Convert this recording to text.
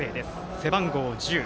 背番号１０。